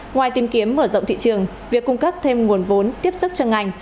ngoài tìm kiếm mở rộng thị trường việc cung cấp thêm nguồn vốn tiếp sức cho ngành